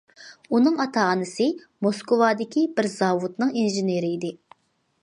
ئۇنىڭ ئاتا- ئانىسى موسكۋادىكى بىر زاۋۇتنىڭ ئىنژېنېرى ئىدى.